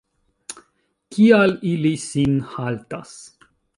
Kial ili sin haltas?